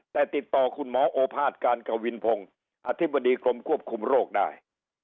แต่ติดต่อคุณหมอโอภาษการกวินพงศ์อธิบดีกรมควบคุมโรคได้